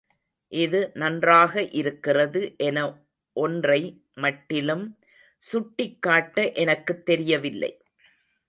இது நன்றாக இருக்கிறது என ஒன்றை மட்டிலும் சுட்டிக் காட்ட எனக்குத் தெரியவில்லை.